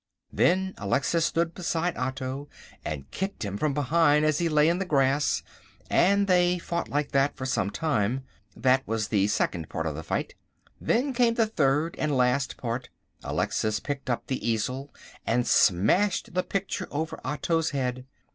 Then Alexis stood beside Otto and kicked him from behind as he lay in the grass, and they fought like that for some time. That was the second part of the fight. Then came the third and last part. Alexis picked up the easel and smashed the picture over Otto's head.